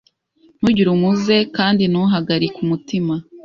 ntugire umuze kandi ntuhagarike umutima.